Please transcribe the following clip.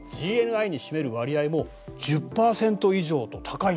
ＧＮＩに占める割合も１０％以上と高いんだ。